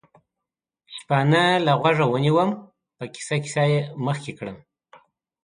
شپانه له غوږه ونیوم، په کیسه کیسه یې مخکې کړم.